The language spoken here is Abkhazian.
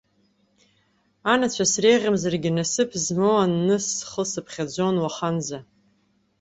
Анацәа среиӷьымзаргьы, насыԥ змоу анны схы сыԥхьаӡон уаханӡа.